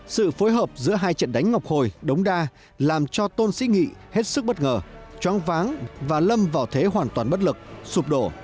sự phối hợp giữa hai trận đánh ngọc hồi đống đa làm cho tôn sĩ nghị hết sức bất ngờ choáng váng và lâm vào thế hoàn toàn bất lực sụp đổ